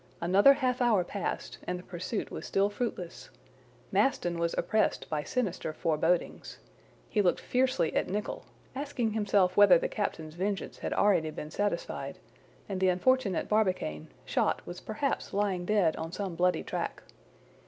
Another half hour passed, and the pursuit was still fruitless. Maston was oppressed by sinister forebodings. He looked fiercely at Nicholl, asking himself whether the captain's vengeance had already been satisfied, and the unfortunate Barbicane, shot, was perhaps lying dead on some bloody track.